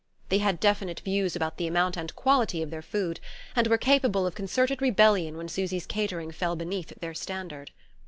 They had definite views about the amount and quality of their food, and were capable of concerted rebellion when Susy's catering fell beneath their standard.